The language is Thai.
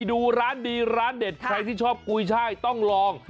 ดูร้านดีร้านเด็ดชอบกุยชายต้องลอง